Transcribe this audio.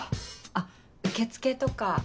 あっ受付とか。